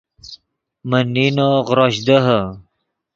من نینو غروش دیہے